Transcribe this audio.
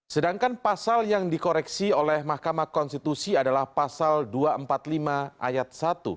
sedangkan pasal yang dikoreksi oleh mahkamah konstitusi adalah pasal dua ratus empat puluh lima ayat satu